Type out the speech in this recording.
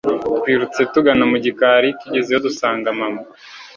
Twirutse tugana mugikari tugezeyo dusanga mama